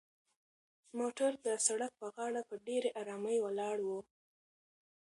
موټر د سړک په غاړه په ډېرې ارامۍ ولاړ و.